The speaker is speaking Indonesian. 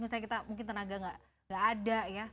misalnya kita tenaga gak ada ya